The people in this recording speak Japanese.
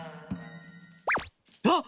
あっ！